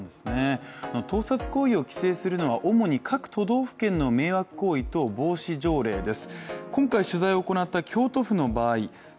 盗撮行為を規制するのは主に各都道府県の迷惑行為等防止条例です。